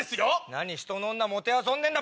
何ひとの女もてあそんでんだ！